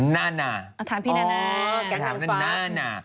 น่าน่า